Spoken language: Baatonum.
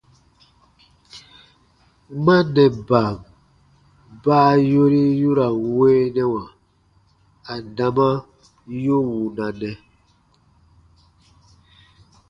Mannɛban baa yori yu ra n weenɛwa adama yu wunanɛ.